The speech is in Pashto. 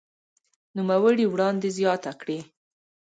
نوموړي وړاندې زياته کړې